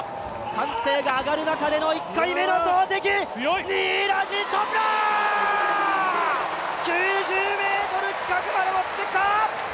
歓声が上がる中での１回目の投てき９０ｍ近くまで持ってきた！